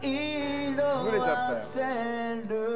ぶれちゃったよ。